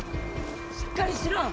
しっかりしろ！